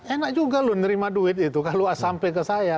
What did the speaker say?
enak juga loh nerima duit itu kalau sampai ke saya